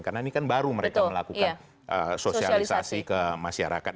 karena ini kan baru mereka melakukan sosialisasi ke masyarakat